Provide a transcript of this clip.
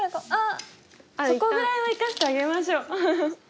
そこぐらいは生かしてあげましょう。